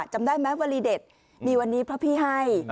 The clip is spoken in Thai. จำได้มั้ยวลีเดชมีวันนี้พระพี่ให้